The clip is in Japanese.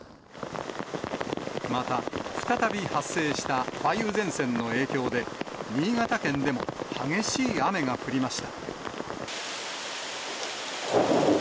また、再び発生した梅雨前線の影響で、新潟県でも激しい雨が降りました。